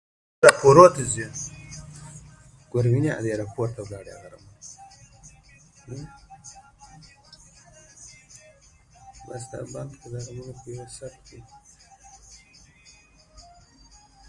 د هنر په مرسته انسان کولای شي خپل احساسات په ښکلي بڼه بیان کړي.